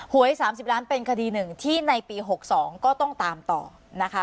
หวย๓๐ล้านเป็นคดีหนึ่งที่ในปี๖๒ก็ต้องตามต่อนะคะ